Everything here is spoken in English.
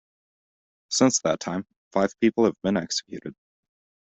Since that time, five people have been executed.